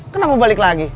kenapa balik lagi